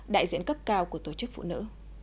đại diện cấp cao của tổ chức phụ nữ